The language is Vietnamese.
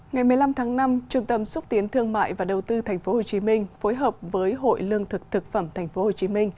ngày một mươi năm tháng năm trung tâm xúc tiến thương mại và đầu tư tp hcm phối hợp với hội lương thực thực phẩm tp hcm